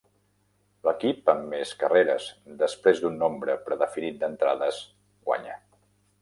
L'equip amb més carreres després d'un nombre predefinit d'entrades guanya.